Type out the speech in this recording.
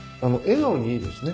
笑顔に。